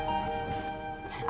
aku mau sembuh